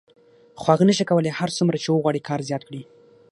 خو هغه نشي کولای هر څومره چې وغواړي کار زیات کړي